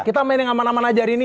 kita main yang aman aman aja hari ini